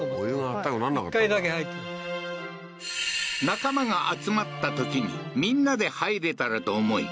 仲間が集まったときにみんなで入れたらと思い